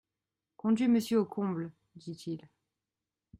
Conduis monsieur au comble, dit-il.